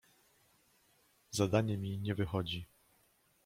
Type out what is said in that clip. Zadanie mi nie wychodzi!